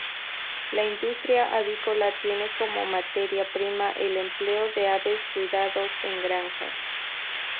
La industria avícola tiene como materia prima el empleo de aves cuidados en granjas.